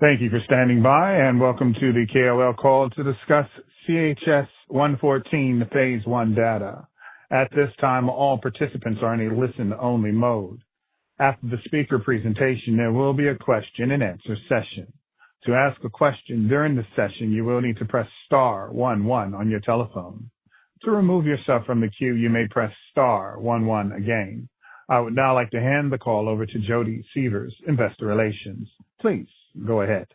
Thank you for standing by, and welcome to the KOL Call to discuss CHS-114 phase I data. At this time, all participants are in a listen-only mode. After the speaker presentation, there will be a question-and-answer session. To ask a question during the session, you will need to press star one one on your telephone. To remove yourself from the queue, you may press star one one again. I would now like to hand the call over to Jodi Sievers, Investor Relations. Please go ahead.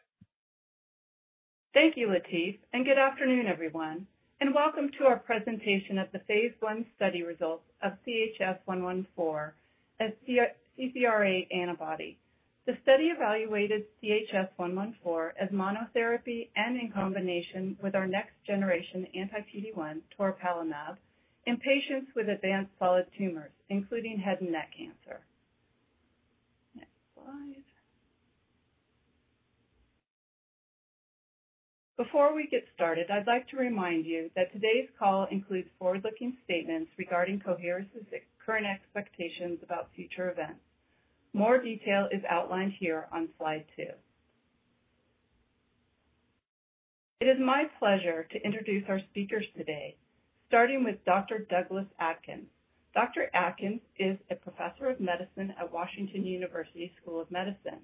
Thank you, Latif, and good afternoon, everyone. Welcome to our presentation of the phase I study results of CHS-114 as a CCR8 antibody. The study evaluated CHS-114 as monotherapy and in combination with our next-generation anti-PD-1, toripalimab, in patients with advanced solid tumors, including head and neck cancer. Next slide. Before we get started, I'd like to remind you that today's call includes forward-looking statements regarding Coherus' current expectations about future events. More detail is outlined here on slide two. It is my pleasure to introduce our speakers today, starting with Dr. Douglas Adkins. Dr. Adkins is a Professor of Medicine at Washington University School of Medicine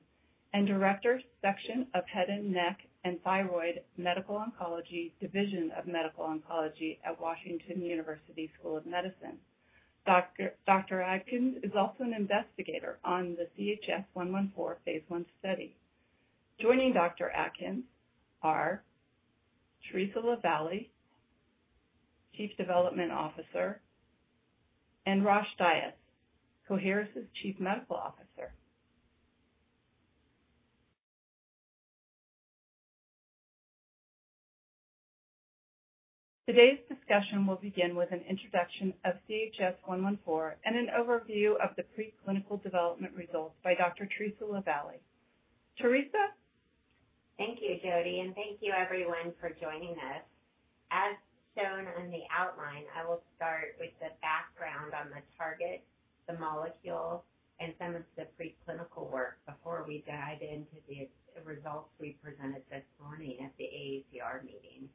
and Director, Section of Head and Neck and Thyroid Medical Oncology, Division of Medical Oncology at Washington University School of Medicine. Dr. Adkins is also an investigator on the CHS-114 phase I study. Joining Dr. Adkins are Theresa LaVallee, Chief Development Officer, and Rosh Dias, Coherus' Chief Medical Officer. Today's discussion will begin with an introduction of CHS-114 and an overview of the preclinical development results by Dr. Theresa LaVallee. Theresa? Thank you, Jodi, and thank you, everyone, for joining us. As shown on the outline, I will start with the background on the target, the molecule, and some of the preclinical work before we dive into the results we presented this morning at the AACR meeting.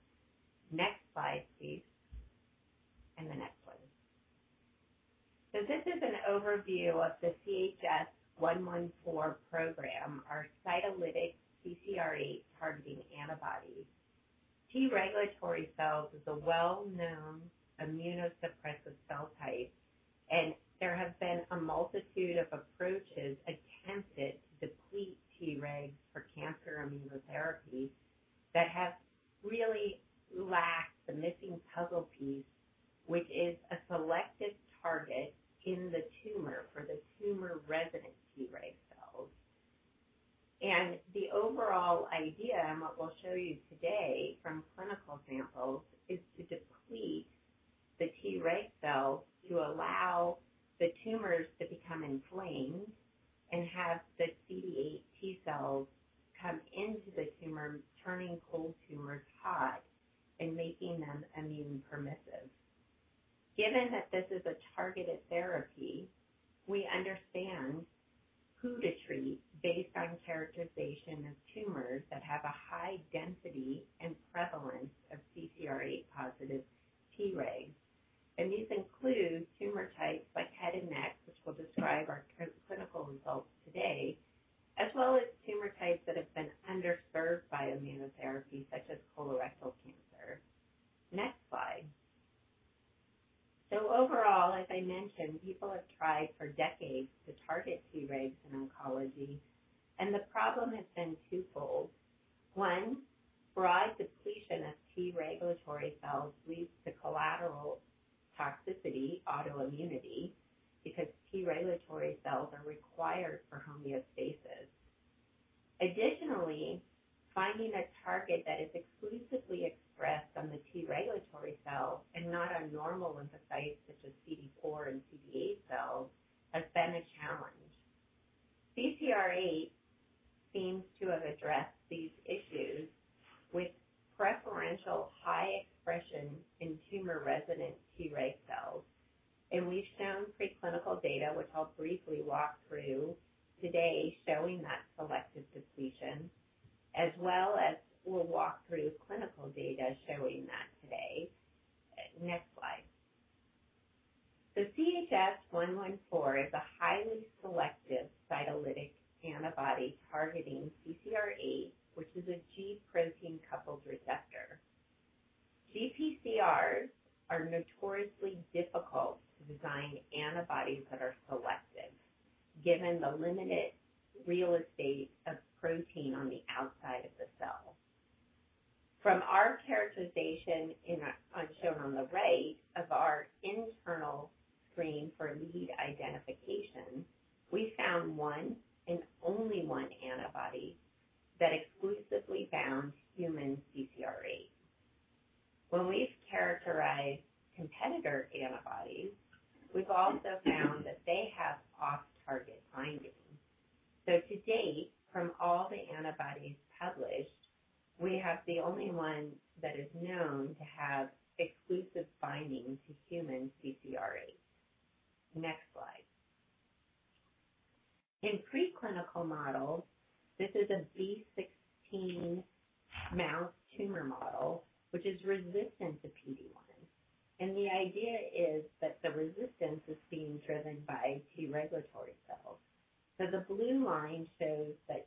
Next slide, please. Next slide. This is an overview of the CHS-114 program, our cytolytic CCR8-targeting antibody. T regulatory cells is a well-known immunosuppressive cell type, and there have been a multitude of approaches attempted to deplete Tregs for cancer immunotherapy that have really lacked the missing puzzle piece, which is a selective target in the tumor for the tumor resident Treg cells. The overall idea, and what we will show you today from clinical samples, is to deplete the Treg cells to allow the tumors to become inflamed and have the CD8 T cells come into the tumor, turning cold tumors hot and making them immune-permissive. Given that this is a targeted therapy, we understand who to treat based on characterization of tumors that have a high density and prevalence of CCR8+ Tregs. These include tumor types like head and neck, which we will describe our clinical results today, as well as tumor types that have been underserved by immunotherapy, such as colorectal cancer. Next slide. Overall, as I mentioned, people have tried for decades to target Tregs in oncology, and the problem has been twofold. One, broad depletion of T regulatory cells leads to collateral toxicity, autoimmunity, because T regulatory cells are required for homeostasis. Additionally, finding a target that is exclusively expressed on the T regulatory cells and not on normal lymphocytes, such as CD4 and CD8 cells, has been a challenge. CCR8 seems to have addressed these issues with preferential high expression in tumor resident Treg cells, and we've shown preclinical data, which I'll briefly walk through today, showing that selective depletion, as well as we'll walk through clinical data showing that today. Next slide. The CHS-114 is a highly selective cytolytic antibody targeting CCR8, which is a G protein-coupled receptor. GPCRs are notoriously difficult to design antibodies that are selective, given the limited real estate of protein on the outside of the cell. From our characterization, shown on the right, of our internal screen for lead identification, we found one and only one antibody that exclusively found human CCR8. When we've characterized competitor antibodies, we've also found that they have off-target binding. To date, from all the antibodies published, we have the only one that is known to have exclusive binding to human CCR8. Next slide. In preclinical models, this is a B16 mouse tumor model, which is resistant to PD-1. The idea is that the resistance is being driven by T regulatory cells. The blue line shows that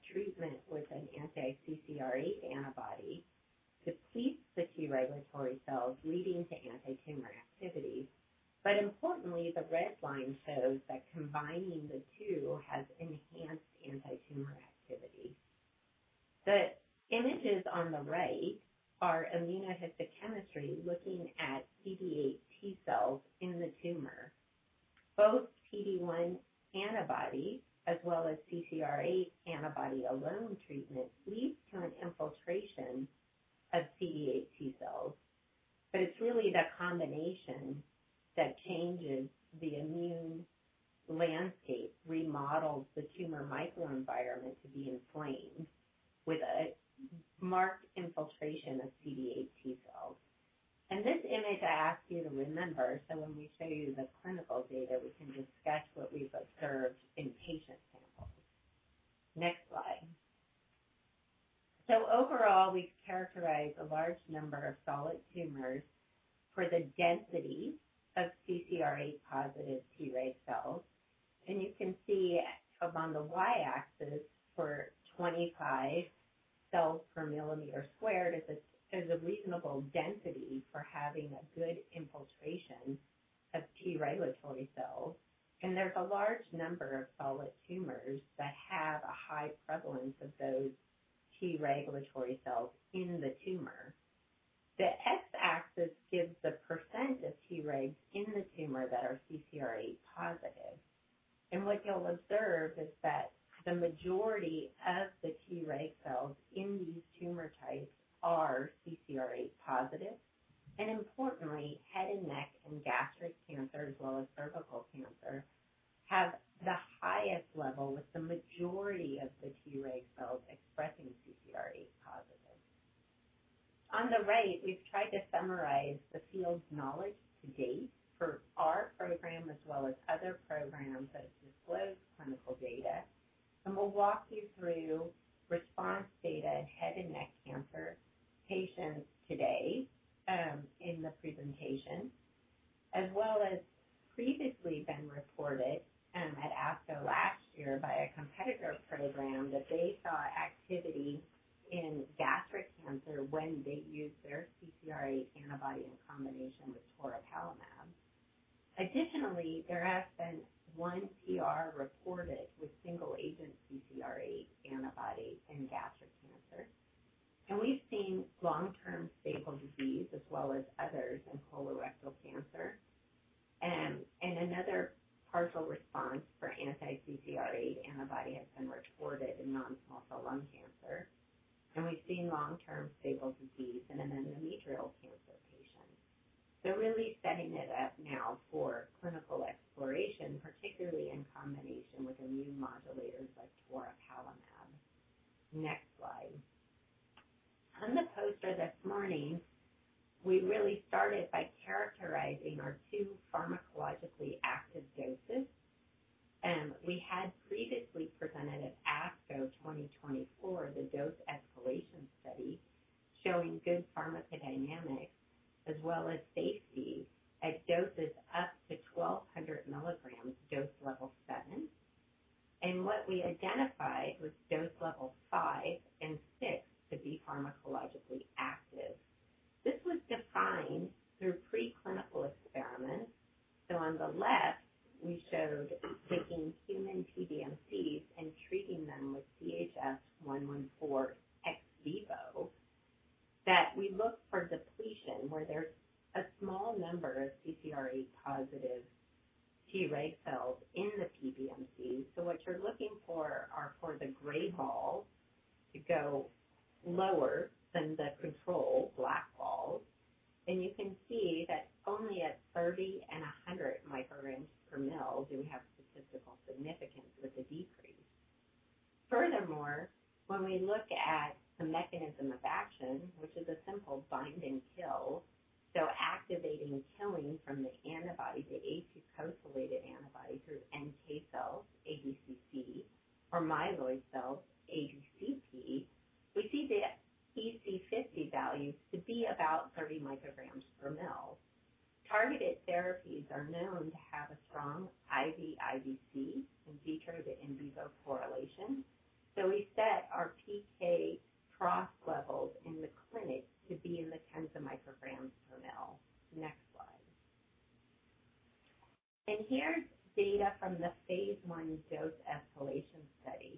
data from the phase I dose escalation study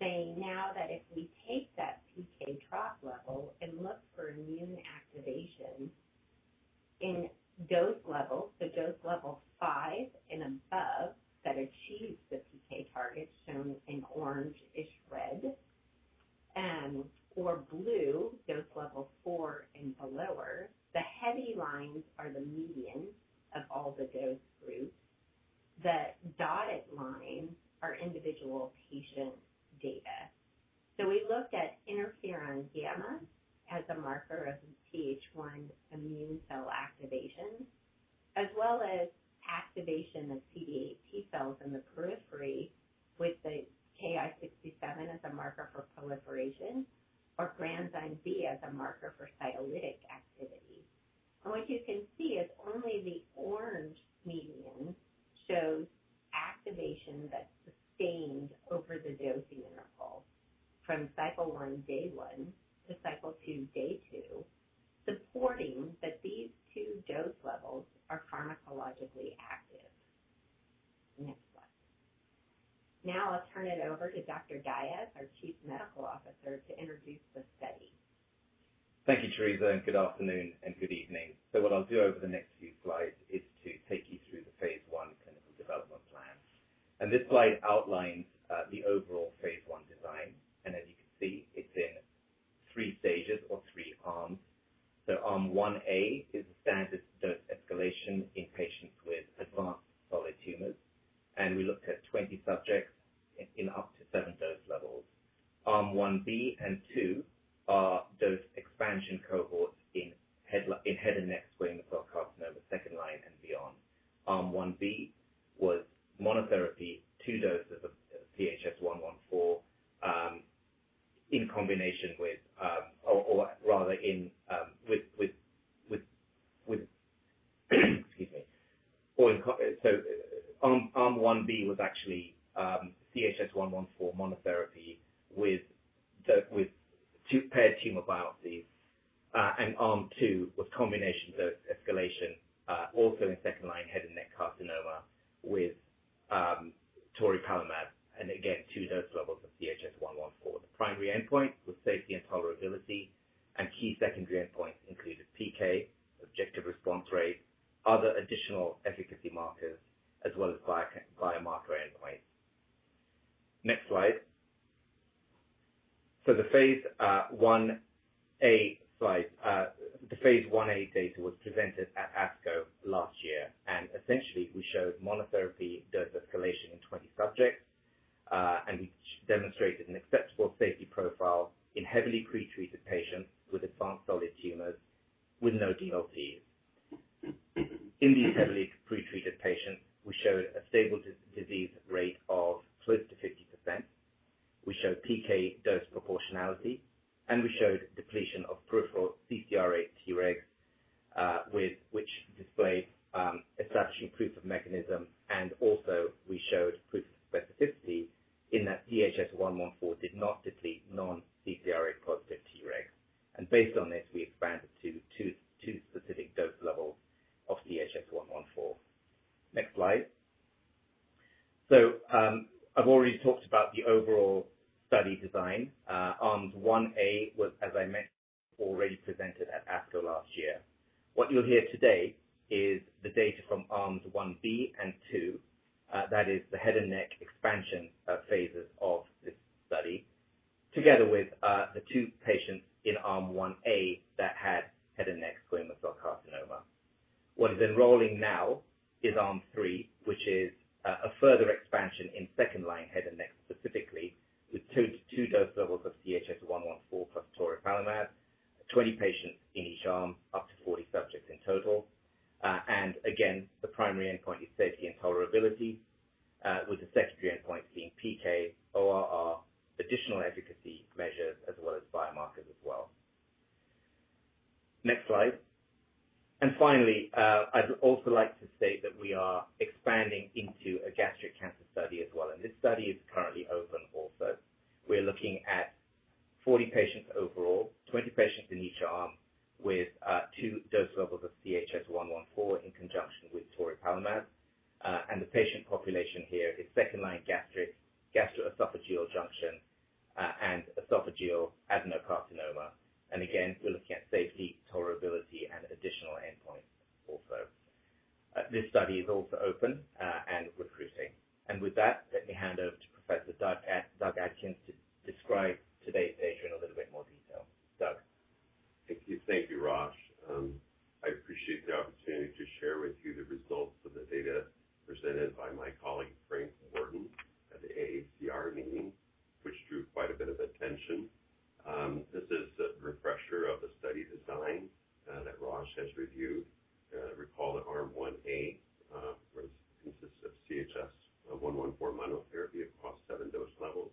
saying now that if we take that PK drop level and look for immune activation in dose levels, dose level 5 and above that achieves the PK target shown in orange-ish red or blue, dose level 4 and belower, the heavy lines are the median of all the dose groups. The dotted lines are individual patient data. We looked at interferon gamma as a marker of TH1 immune cell activation, as well as activation of CD8 T cells in the periphery with the Ki-67 as a marker for proliferation or granzyme B as a marker for cytolytic activity. What you can see is only the orange median shows activation that's sustained over the dosing interval from cycle 1, day 1, to cycle 2, day 2, supporting that these two dose levels are pharmacologically active. Next slide. Now I'll turn it over to Dr. Dias, our Chief Medical Officer, to introduce the study. Thank you, Theresa, and good afternoon and good evening. What I'll do over the next few slides is to take you through the phase I clinical development plan. This slide outlines the overall phase I design. As you can see, it's in three stages or three arms. Arm 1A is a standard dose escalation in patients with advanced solid tumors. We looked at 20 subjects in up to seven dose levels. Arm 1B and 2 are dose expansion cohorts in head and neck squamous cell carcinoma second-line and beyond. Arm 1B was monotherapy, two doses of CHS-114 in combination with, or rather in with, excuse me. Arm 1B was actually CHS-114 monotherapy with paired tumor biopsies. Arm 2 was combination dose escalation, also in second-line head and neck carcinoma with toripalimab and again, two dose levels of CHS-114. The primary endpoint was safety and tolerability. Key secondary endpoints included PK, objective response rate, other additional efficacy markers, as well as biomarker endpoints. Next slide. The phase IA data was presented at ASCO last year. Essentially, we showed monotherapy dose escalation in 20 subjects. We demonstrated an acceptable safety profile in heavily pretreated patients with advanced solid tumors with no DLTs. In these heavily pretreated patients, we showed a stable disease rate of close to 50%. We showed PK dose proportionality. We showed depletion of peripheral CCR8 Tregs, which displayed establishing proof of mechanism. We also showed proof of specificity in that CHS-114 did not deplete non-CCR8+ Tregs. Based on this, we expanded to two specific dose levels of CHS-114. Next slide. I have already talked about the overall study design. Arm 1A was, as I mentioned, already presented at ASCO last year. What you'll hear today is the data from Arms 1B and 2, that is the head and neck expansion phases of this study, together with the two patients in Arm 1A that had head and neck squamous cell carcinoma. What is enrolling now is Arm 3, which is a further expansion in second-line head and neck specifically with two dose levels of CHS-114 plus toripalimab, 20 patients in each arm, up to 40 subjects in total. The primary endpoint is safety and tolerability, with the secondary endpoints being PK, ORR, additional efficacy measures, as well as biomarkers as well. Next slide. Finally, I'd also like to state that we are expanding into a gastric cancer study as well. This study is currently open also. We're looking at 40 patients overall, 20 patients in each arm with two dose levels of CHS-114 in conjunction with toripalimab. The patient population here is second-line gastroesophageal junction and esophageal adenocarcinoma. Again, we're looking at safety, tolerability, and additional endpoints also. This study is also open and recruiting. With that, let me hand over to Professor Douglas Adkins to describe today's data in a little bit more detail. Doug? Thank you, Rosh. I appreciate the opportunity to share with you the results of the data presented by my colleague Frank Worden at the AACR meeting, which drew quite a bit of attention. This is a refresher of the study design that Rosh has reviewed. Recall that Arm 1A consists of CHS-114 monotherapy across seven dose levels.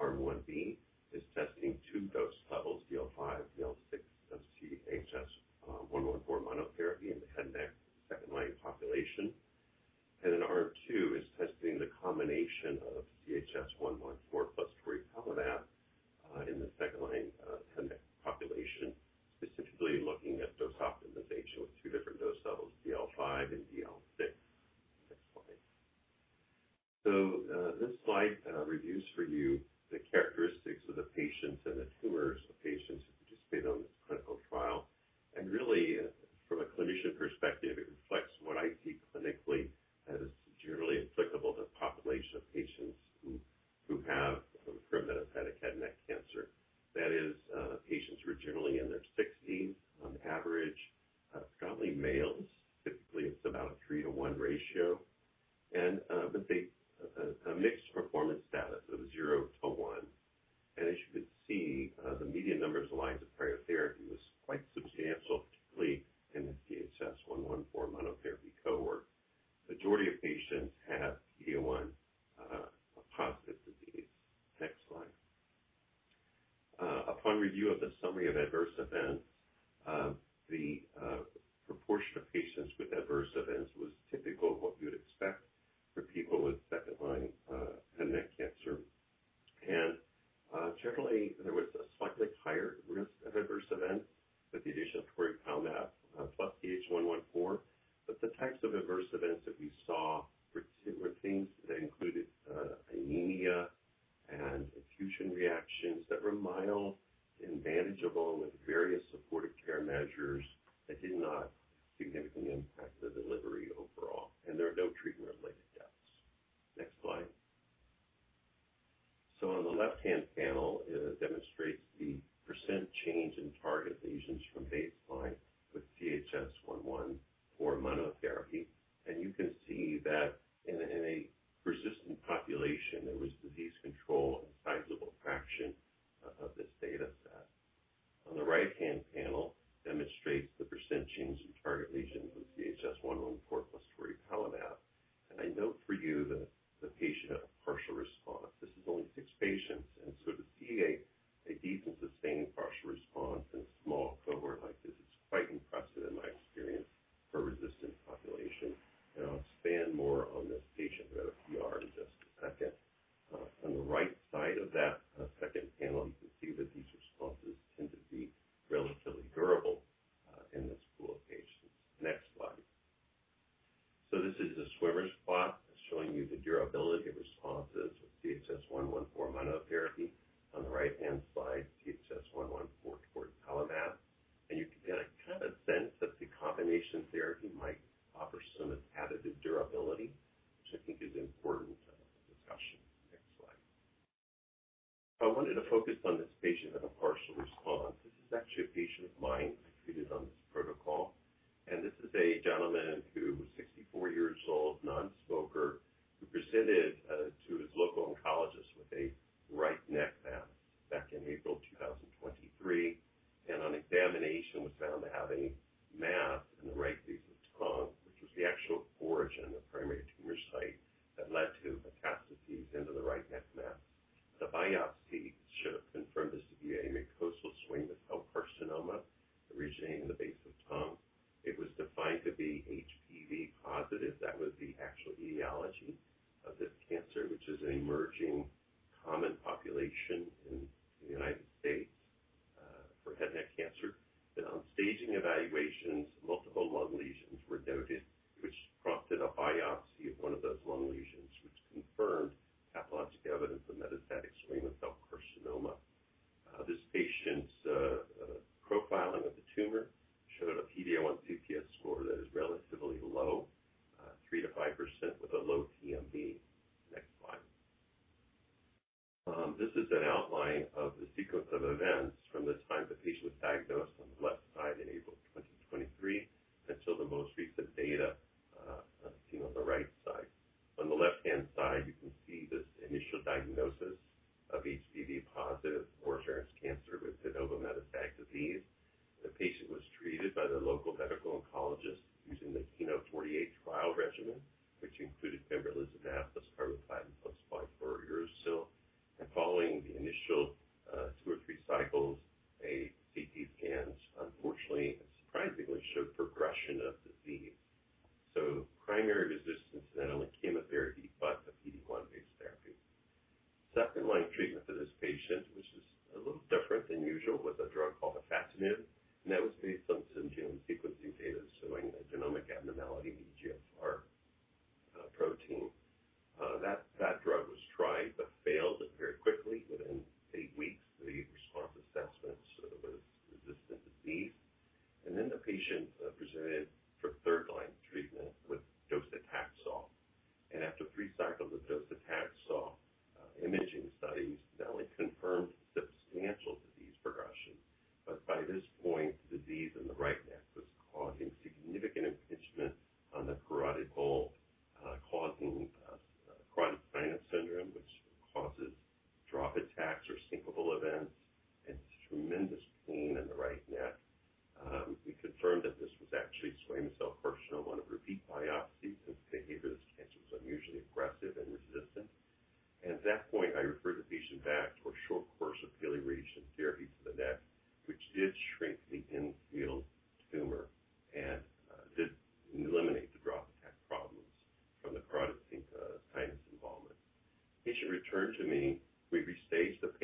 Arm 1B is testing two dose levels, DL5, DL6 of CHS-114 monotherapy in the head and neck second-line population. Arm 2 is testing the combination of CHS-114 plus toripalimab in the second-line head and neck population, specifically looking This is an outline of the sequence of events from the time the patient was diagnosed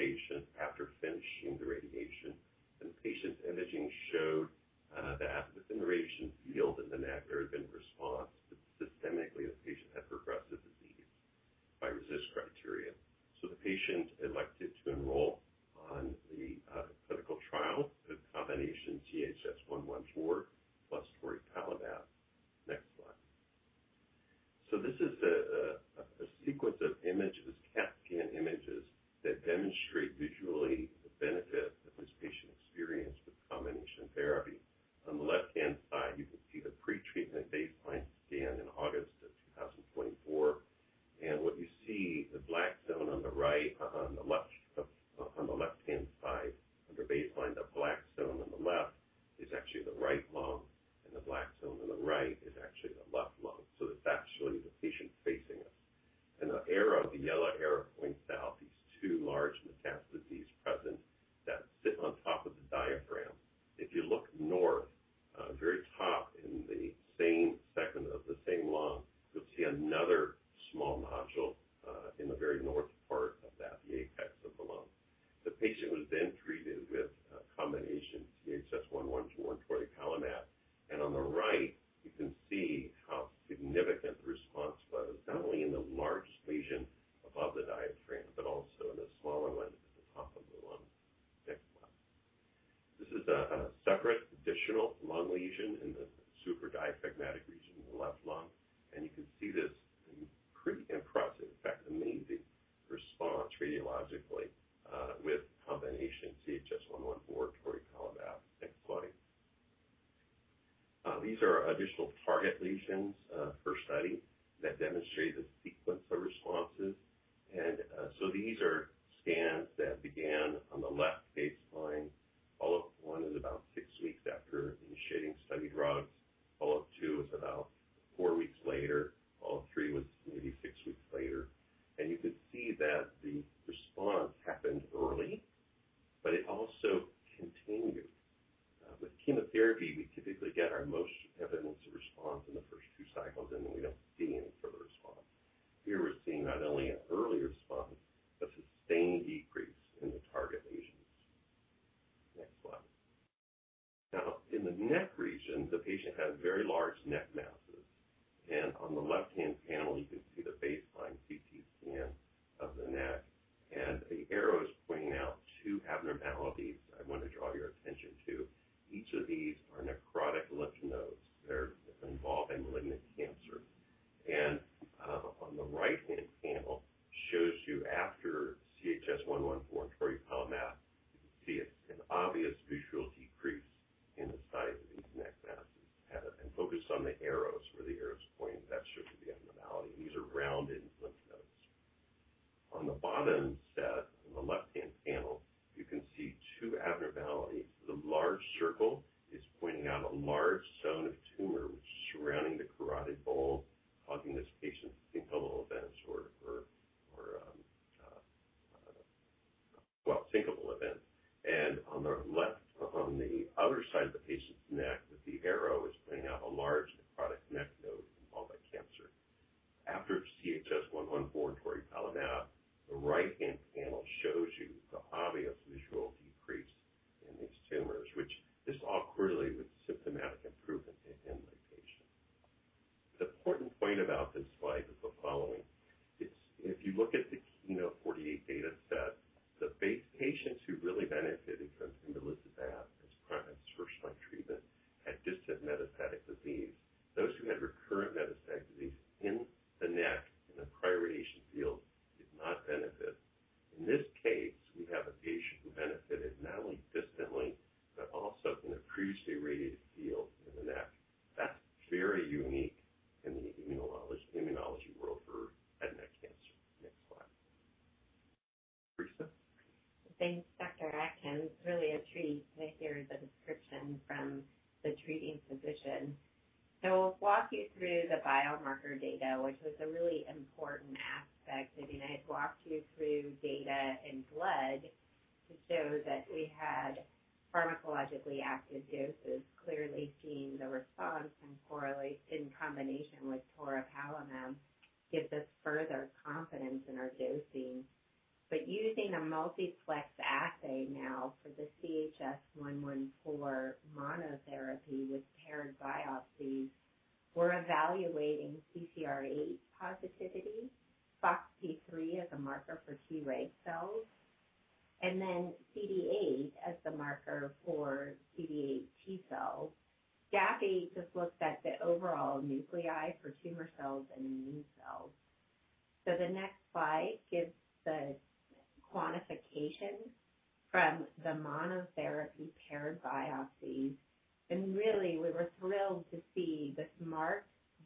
We restaged the patient after finishing the radiation. The patient's imaging showed that within the radiation field in the neck, there had been a response, yet systemically the patient had progressive disease by RECIST criteria. The patient elected to enroll on the clinical trial with combination CHS-114 plus toripalimab. Next slide. This is a sequence of images, CAT scan images the patient had very large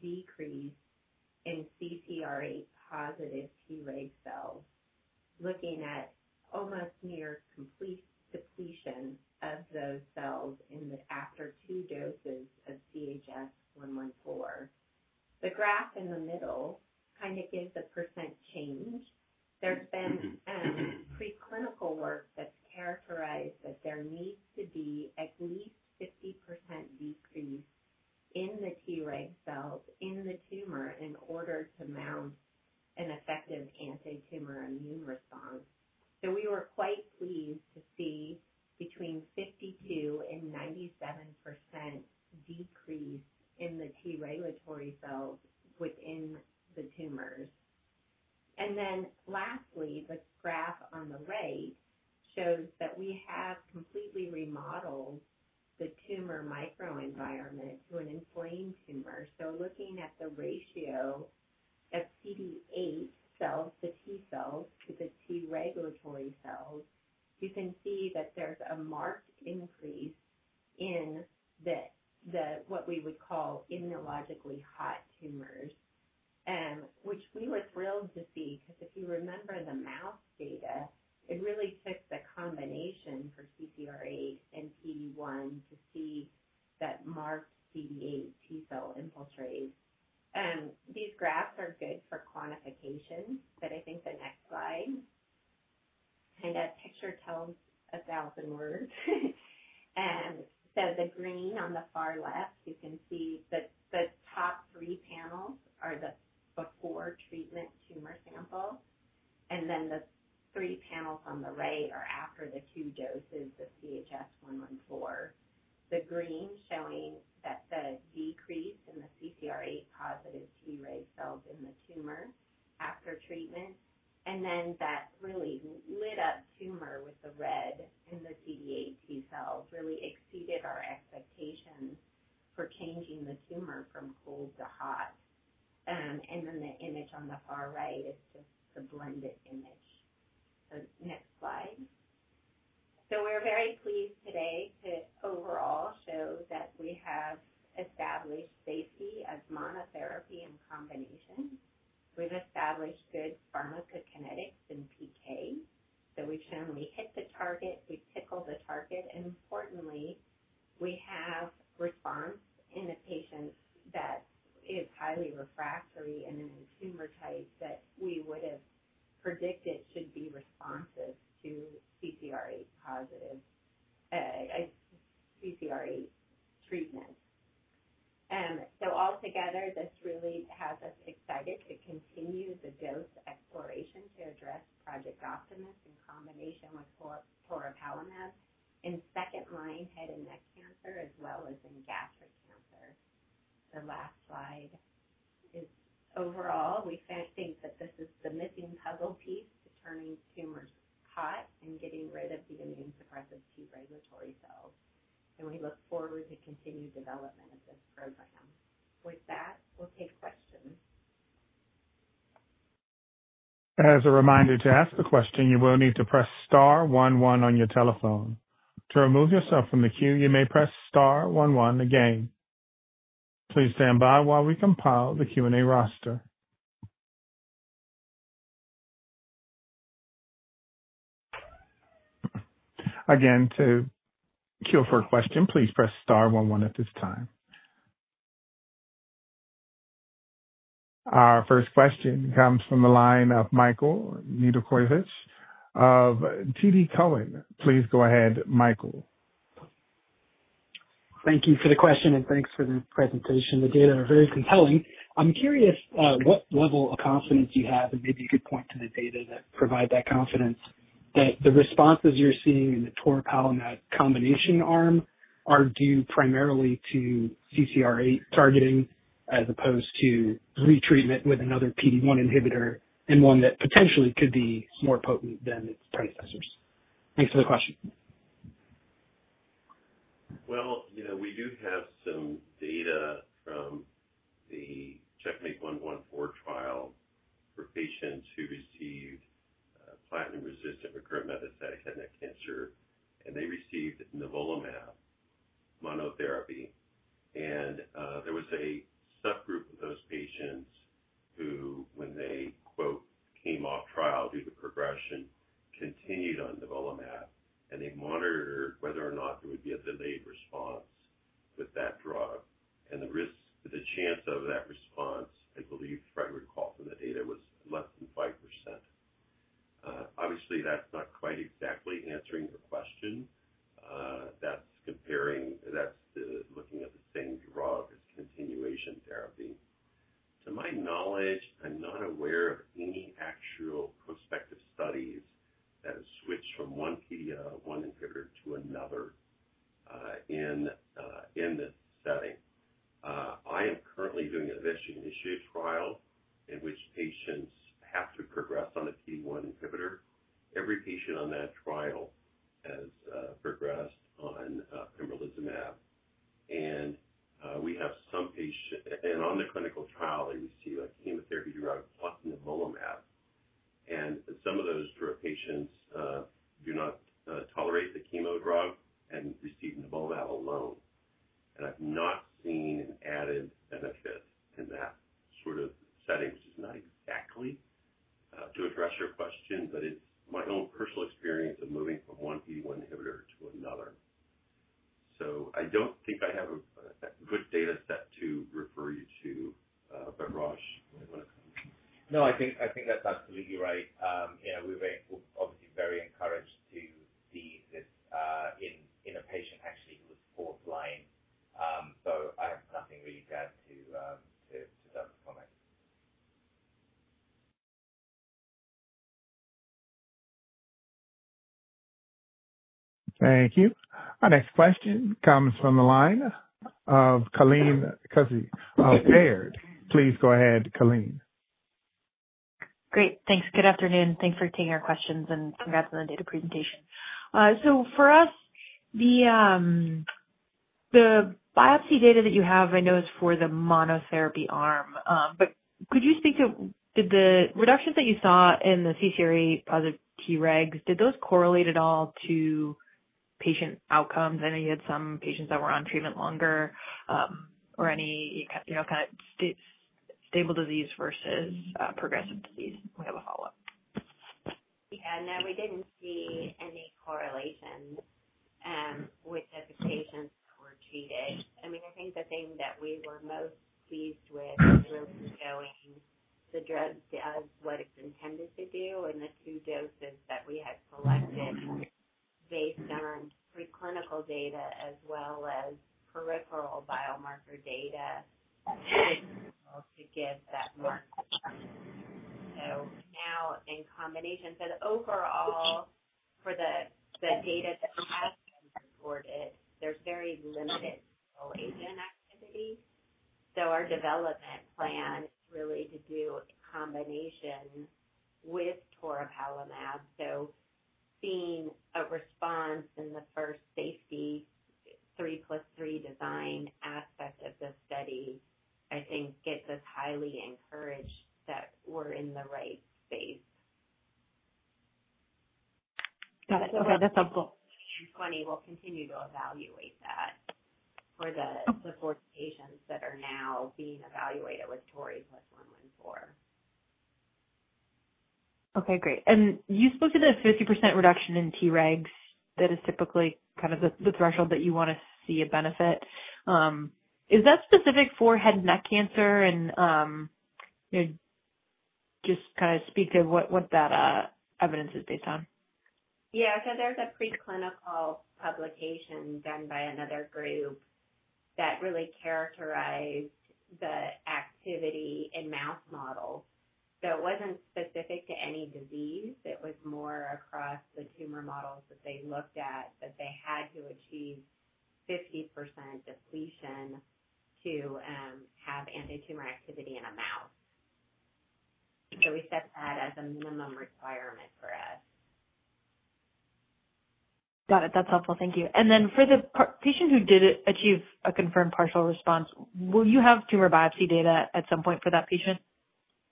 decrease in CCR8+ Treg cells, looking at almost near complete depletion of those cells after two doses of CHS-114. The graph in the middle kind of gives a percent change. There has been preclinical work that has characterized that there needs to be at least a 50% decrease in the Treg cells in the tumor in order to mount an effective anti-tumor immune response. We were quite pleased to see between 52% and 97% decrease in the T regulatory cells within the tumors. Lastly, the graph on the right shows that we have completely remodeled the tumor microenvironment to an inflamed tumor. Looking at the ratio of CD8 cells, the T cells to the T regulatory cells, you can see that there's a marked increase in what we would call immunologically hot tumors, which we were thrilled to see because if you remember the mouse data, it really took the combination for CCR8 and PD-1 to see that marked CD8 T cell infiltrate. These graphs are good for quantification, but I think the next slide, and that picture tells a thousand words. The green on the far left, you can see the top three panels are the before treatment tumor sample. The three panels on the right are after the two doses of CHS-114. The green showing that the decrease in the CCR8+ Treg cells in the tumor after treatment. That really lit up tumor with the red in the CD8 T cells really exceeded our expectations for changing the tumor from cold to hot. The image on the far right is just the blended image. Next slide. We are very pleased today to overall show that we have established safety as monotherapy in combination. We have established good pharmacokinetics in PK. We have shown we hit the target, we tickle the target. Importantly, we have response in a patient that is highly refractory in any tumor type that we would have predicted should be responsive to CCR8 treatment. Altogether, this really has us excited to continue the dose exploration to address Project Optimus in combination with toripalimab in second-line head and neck cancer as well as in gastric cancer. The last slide is overall, we think that this is the missing puzzle piece to turning tumors hot and getting rid of the immune-suppressive T regulatory cells. We look forward to continued development of this program. With that, we'll take questions. As a reminder to ask the question, you will need to press star one one on your telephone. To remove yourself from the queue, you may press star one one again. Please stand by while we compile the Q&A roster. Again, to queue for a question, please press star one one at this time. Our first question comes from the line of Michael Nedelcovych of TD Cowen. Please go ahead, Michael. Thank you for the question and thanks for the presentation. The data are very compelling. I'm curious what level of confidence you have and maybe you could point to the data that provide that confidence that the responses you're seeing in the toripalimab combination arm are due primarily to CCR8 targeting as opposed to retreatment with another PD-1 inhibitor and one that potentially could be more potent than its predecessors. Thanks for the question. We do have some data from the CHS-114 trial for patients who received platinum-resistant recurrent metastatic head and neck cancer, and they received nivolumab monotherapy. There was a subgroup of those patients who, when they "came off trial due to progression," continued on nivolumab, and they monitored whether or not there would be a delayed response with that drug. The chance of that response, I believe Fred would call from the data, was less than 5%. Obviously, that's not quite exactly answering your question. That's looking at the same drug as continuation therapy. To my knowledge, I'm not aware of any actual prospective studies that have switched from one PD-1 inhibitor to another in this setting. I am currently doing an initiative trial in which patients have to progress on a PD-1 inhibitor. Every patient on that trial has progressed on pembrolizumab. We have some patients, and on the clinical trial, they receive a chemotherapy drug plus nivolumab. Some of those patients do not tolerate the chemo drug and receive nivolumab alone. I've not seen an added benefit in that sort of setting, which is not exactly to address your question, but it's my own personal experience of moving from one PD-1 inhibitor to another. I don't think I have a good data set to refer you to, but Rosh, when it comes to. No, I think that's absolutely right. We're obviously very encouraged to see this in a patient actually who was fourth-line. I have nothing really to add to that comment. Thank you. Our next question comes from the line of Colleen Kusy of Baird. Please go ahead, Colleen. Great. Thanks. Good afternoon. Thanks for taking our questions and congrats on the data presentation. For us, the biopsy data that you have, I know is for the monotherapy arm. Could you speak to the reductions that you saw in the CCR8+ Tregs? Did those correlate at all to patient outcomes? I know you had some patients that were on treatment longer or any kind of stable disease versus progressive disease. We have a follow-up. Yeah. No, we didn't see any correlation with the patients who were treated. I mean, I think the thing that we were most pleased with was really showing the drug does what it's intended to do in the two doses that we had selected based on preclinical data as well as peripheral biomarker data to give that marked response now in combination. Overall, for the data that we have reported, there's very limited coagulation activity. Our development plan is really to do a combination with toripalimab. Seeing a response in the first safety three-plus-three design aspect of the study, I think gets us highly encouraged that we're in the right space. Got it. Okay. That's helpful. We'll continue to evaluate that for the four patients that are now being evaluated with tori plus 114. Okay. Great. You spoke to the 50% reduction in Tregs. That is typically kind of the threshold that you want to see a benefit. Is that specific for head and neck cancer? Just kind of speak to what that evidence is based on. Yeah. There is a preclinical publication done by another group that really characterized the activity in mouse models. It was not specific to any disease. It was more across the tumor models that they looked at that they had to achieve 50% depletion to have anti-tumor activity in a mouse. We set that as a minimum requirement for us. Got it. That is helpful. Thank you. For the patient who did achieve a confirmed partial response, will you have tumor biopsy data at some point for that patient?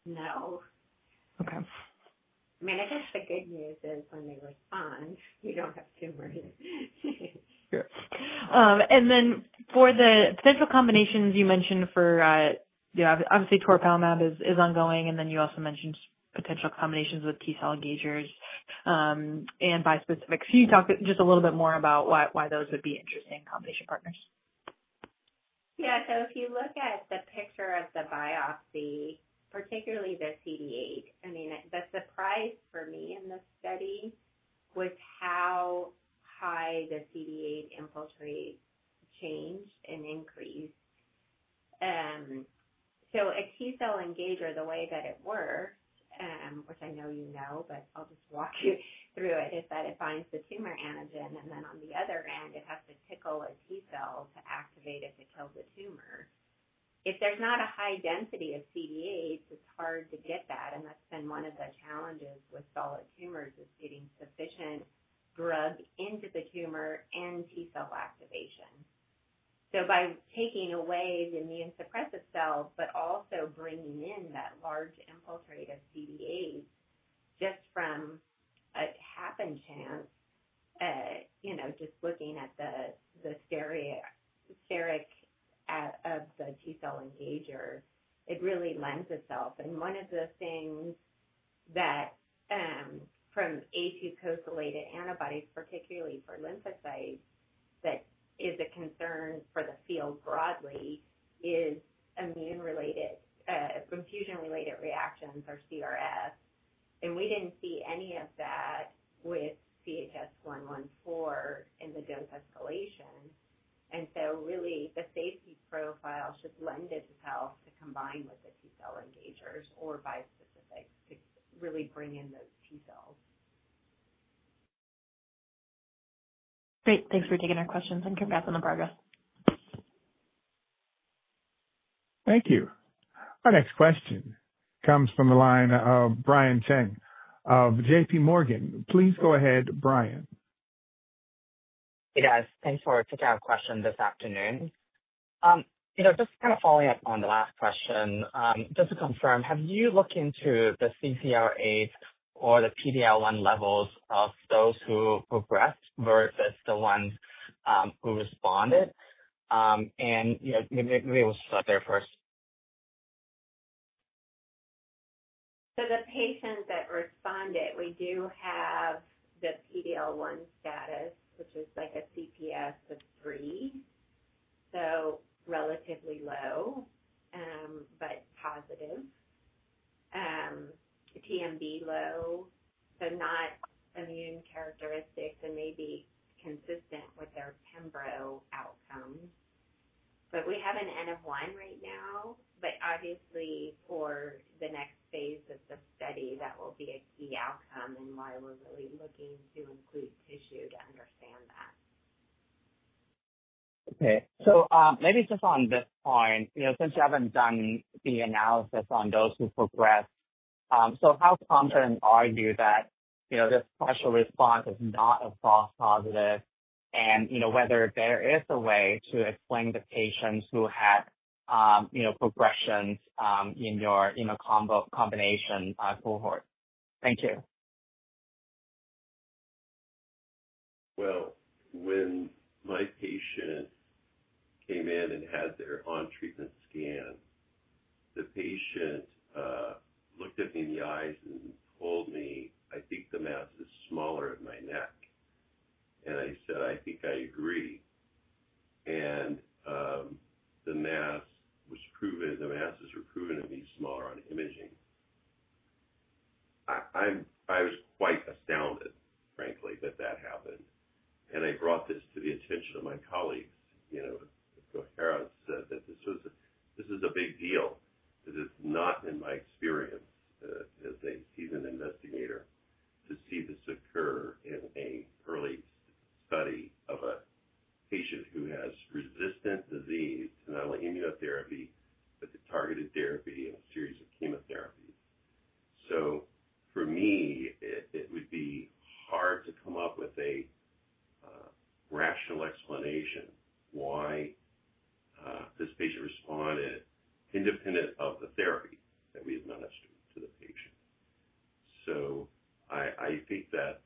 No. I mean, I guess the good news is when they respond, you do not have tumors. Sure. For the potential combinations you mentioned for, obviously, toripalimab is ongoing, and then you also mentioned potential combinations with T cell engagers and bispecifics. Can you talk just a little bit more about why those would be interesting combination partners? Yeah. If you look at the picture of the biopsy, particularly the CD8, I mean, the surprise for me in this study was how high the CD8 infiltrate changed and increased. A T cell engager, the way that it works, which I know you know, but I'll just walk you through it, is that it finds the tumor antigen, and then on the other end, it has to tickle a T cell to activate it to kill the tumor. If there's not a high density of CD8s, it's hard to get that. That's been one of the challenges with solid tumors, getting sufficient drug into the tumor and T cell activation. By taking away the immune-suppressive cells, but also bringing in that large infiltrate of CD8s just from a happen chance, just looking at the steric of the T cell engager, it really lends itself. One of the things that from afucosylated antibodies, particularly for lymphocytes, that is a concern for the field broadly is immune-related, confusion-related reactions or CRS. We did not see any of that with CHS-114 in the dose escalation. The safety profile should lend itself to combine with the T cell engagers or bispecifics to really bring in those T cells. Great. Thanks for taking our questions. Congrats on the progress. Thank you. Our next question comes from the line of Brian Chang of JPMorgan. Please go ahead, Brian. Hey guys. Thanks for picking our question this afternoon. Just kind of following up on the last question, just to confirm, have you looked into the CCR8 or the PD-L1 levels of those who progressed versus the ones who responded? Maybe we'll start there first. The patients that responded, we do have the PD-L1 status, which is like a CPS of three, so relatively low but positive. TMB low, so not immune characteristics and maybe consistent with their pembro outcome. We have an N-of-1 right now. Obviously, for the next phase of the study, that will be a key outcome and why we're really looking to include tissue to understand that. Okay. Maybe just on this point, since you haven't done the analysis on those who progressed, how confident are you that this partial response is not a false positive and whether there is a way to explain to patients who had progressions in your combination cohort? Thank you. When my patient came in and had their on-treatment scan, the patient looked at me in the eyes and told me, "I think the mass is smaller at my neck." I said, "I think I agree." The mass was proven, the masses were proven to be smaller on imaging. I was quite astounded, frankly, that that happened. I brought this to the attention of my colleagues. This is a big deal because it's not in my experience as a seasoned investigator to see this occur in an early study of a patient who has resistant disease to not only immunotherapy but to targeted therapy and a series of chemotherapies. For me, it would be hard to come up with a rational explanation why this patient responded independent of the therapy that we administered to the patient. I think that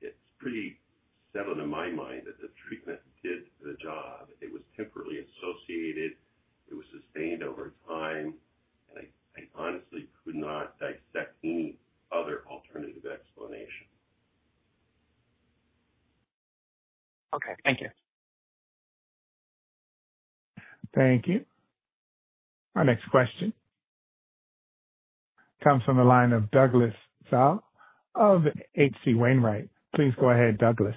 it's pretty settled in my mind that the treatment did the job. It was temporarily associated. It was sustained over time. I honestly could not dissect any other alternative explanation. Thank you. Thank you. Our next question comes from the line of Douglas Tsao of HC Wainwright. Please go ahead, Douglas.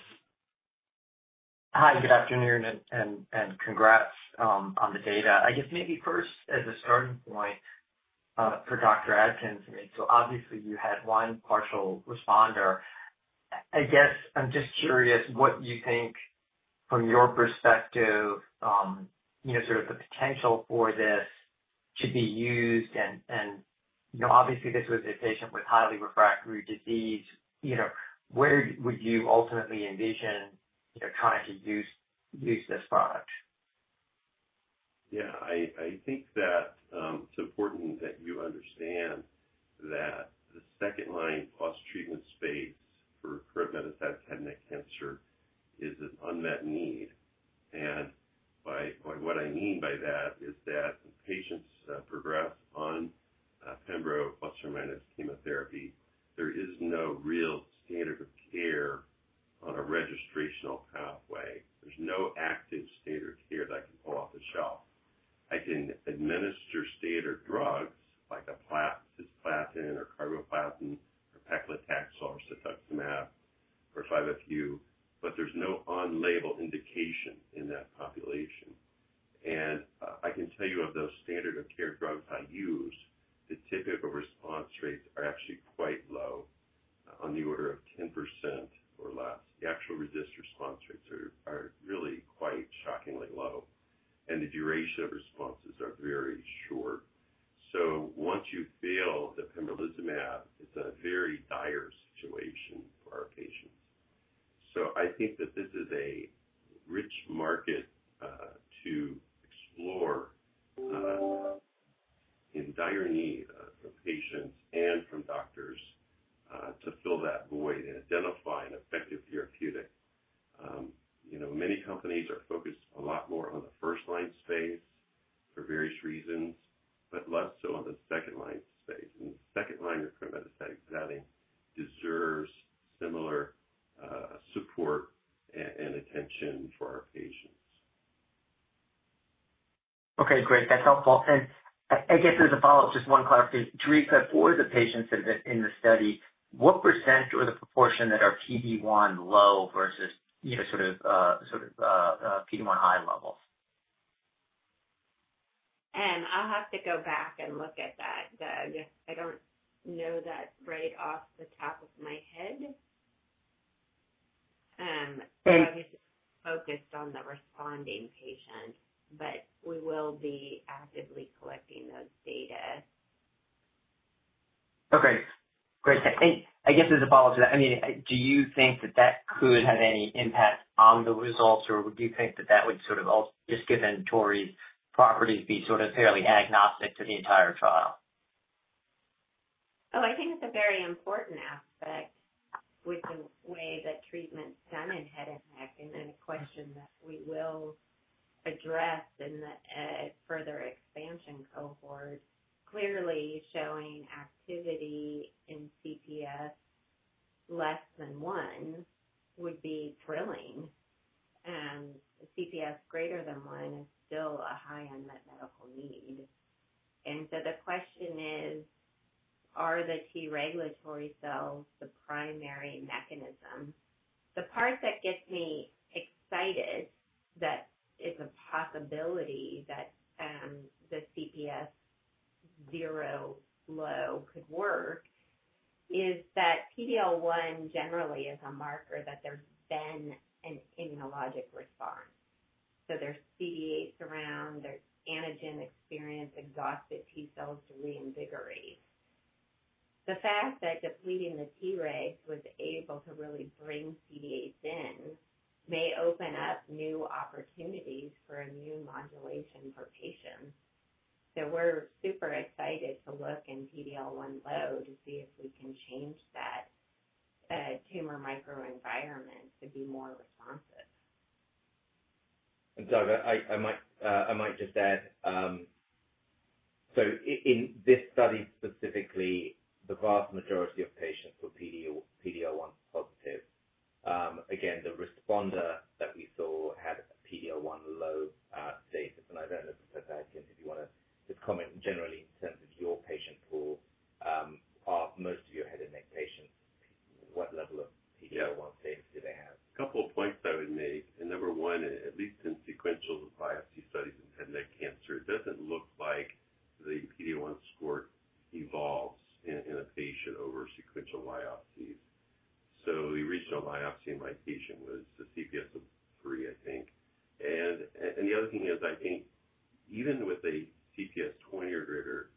Hi. Good afternoon. Congrats on the data. I guess maybe first as a starting point for Dr. Adkins, you had one partial responder. I guess I'm just curious what you think from your perspective, sort of the potential for this to be used. Obviously, this was a patient with highly refractory disease. Where would you ultimately envision trying to use this product? Yeah. I think that it's important that you understand that the second-line plus treatment space for recurrent metastatic head and neck cancer is an unmet need. By what I mean by that is that when patients progress on pembro plus or minus chemotherapy, there is no real standard of care on a registrational pathway. There's no active standard of care that I can pull off the shelf. I can administer standard drugs like cisplatin or carboplatin or paclitaxel or cetuximab or 5-FU, but there's no on-label indication in that population. I can tell you of those standard of care drugs I use, the typical response rates are actually quite low, on the order of 10% or less. The actual resistance response rates are really quite shockingly low. The duration of responses are very short. Once you fail the pembrolizumab, it's a very dire situation for our patients. I think that this is a rich market to explore in dire need of patients and from doctors to fill that void and identify an effective therapeutic. Many companies are focused a lot more on the first-line space for various reasons, but less so on the second-line space. The second-line recurrent metastatic setting deserves similar support and attention for our patients. Okay. Great. That's helpful. I guess as a follow-up, just one clarification. Theresa, for the patients in the study, what percent or the proportion that are PD-1 low versus sort of PD-1 high levels? I'll have to go back and look at that. Doug, I don't know that right off the top of my head. Obviously, we're focused on the responding patient, but we will be actively collecting those data. Okay. Great. I guess as a follow-up to that, I mean, do you think that that could have any impact on the results, or would you think that that would sort of, just given Tory's properties, be sort of fairly agnostic to the entire trial? Oh, I think it's a very important aspect with the way that treatment is done in head and neck. A question that we will address in the further expansion cohort, clearly showing activity in CPS less than one would be thrilling. CPS greater than one is still a high unmet medical need. The question is, are the T regulatory cells the primary mechanism? The part that gets me excited that it's a possibility that the CPS zero low could work is that PD-L1 generally is a marker that there's been an immunologic response. There are CD8s around. There's antigen experience, exhausted T cells to reinvigorate. The fact that depleting the Tregs was able to really bring CD8s in may open up new opportunities for immune modulation for patients. We are super excited to look in PD-L1 low to see if we can change that tumor microenvironment to be more responsive. Doug, I might just add, in this study specifically, the vast majority of patients were PD-L1 positive. Again, the responder that we saw had a PD-L1 low status. I don't know if, Doug Adkins, if you want to just comment generally in terms of your patient pool, are most of your head and neck patients, what level of PD-L1 status do they have? A couple of points I would make. Number one, at least in sequential biopsy studies in head and neck cancer, it doesn't look like the PD-1 score evolves in a patient over sequential biopsy. The original biopsy in my patient was a CPS of three, I think. The other thing is, I think even with a CPS 20 or greater,